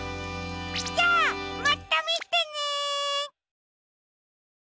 じゃあまたみてね！